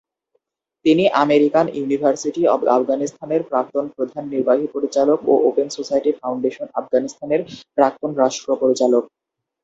তিনি American university of আফগানিস্তানের প্রাক্তন প্রধান নির্বাহী পরিচালক ও ওপেন সোসাইটি ফাউন্ডেশন-আফগানিস্তানের প্রাক্তন রাষ্ট্র পরিচালক।